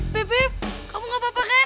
pipip kamu gak apa apa kan